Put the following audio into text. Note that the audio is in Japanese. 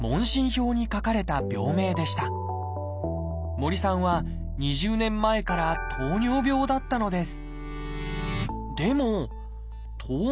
森さんは２０年前から糖尿病だったのです。